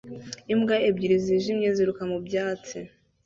Imbwa ebyiri zijimye ziruka mu byatsi